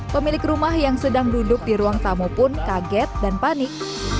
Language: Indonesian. pemilik rumah yang sedang duduk di ruang tamu pun kaget dan panik